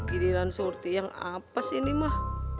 gini dan surti yang apa sih ini mah